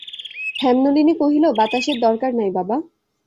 হেমনলিনী কহিল, বাতাসের দরকার নাই বাবা!